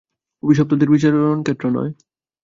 অভিশপ্তদের বিচরণক্ষেত্র নয়।